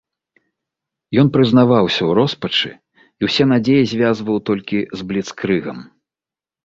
Ён прызнаваўся ў роспачы, і ўсе надзеі звязваў толькі з бліцкрыгам.